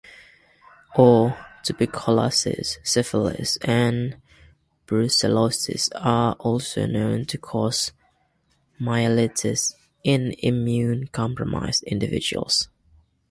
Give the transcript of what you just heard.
Or, tuberculosis, syphilis, and brucellosis are also known to cause myelitis in immune-compromised individuals.